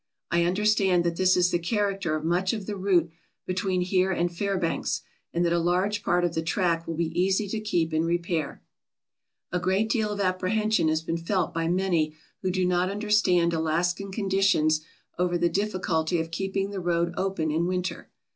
I understand that this is the character of much of the route between here and Fairbanks and that a large part of the track will be easy to keep in repair, A great deal of apprehension has been felt by many who do not understand Alaskan conditions over the dif ficulty of keeping the road open in winter.